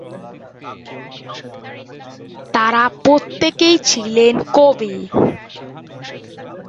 তারা প্রত্যেকেই ছিলেন কবি।